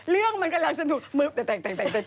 เรื่องกำลังจะถุง